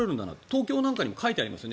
東京なんかにも書いてありますよ